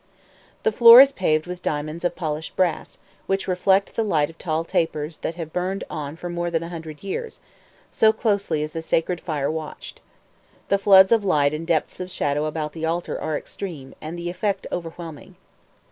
The floor is paved with diamonds of polished brass, which reflect the light of tall tapers that have burned on for more than a hundred years, so closely is the sacred fire watched. The floods of light and depths of shadow about the altar are extreme, and the effect overwhelming.